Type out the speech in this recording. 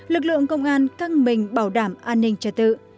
lực lượng công an căng mình bảo đảm an ninh trật tự